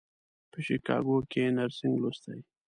په شیکاګو کې یې نرسنګ لوستی.